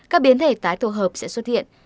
các biến thể tái tổ hợp sẽ xuất hiện